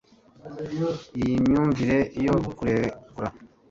iyi myumvire yo kurekura